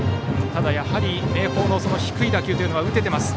ただ、やはり明豊の低い打球というのは打ててます。